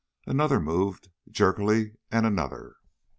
Another moved jerkily, and another....